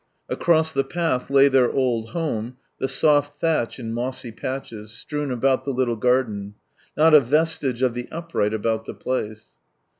Across the path lay their old home, the soft thatch in mossy patches, strewn about the little garden ; not a vestige of the upright about the place.